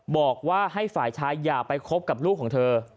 บอกว่าให้ฝ่ายชายอย่าไปคบกับลูกของเธอ